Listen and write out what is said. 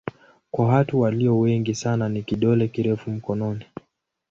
Kwa watu walio wengi sana ni kidole kirefu mkononi.